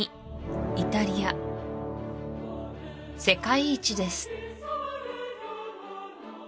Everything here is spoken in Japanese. イタリア世界一です